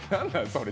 それ。